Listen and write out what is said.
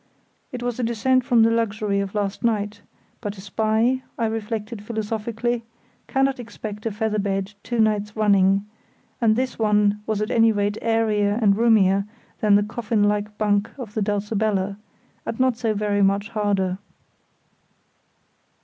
It was a descent from the luxury of last night; but a spy, I reflected philosophically, cannot expect a feather bed two nights running, and this one was at any rate airier and roomier than the coffin like bunk of the Dulcibella, and not so very much harder.